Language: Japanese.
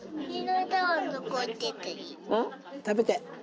食べて。